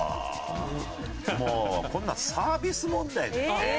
もうこんなのサービス問題だよね。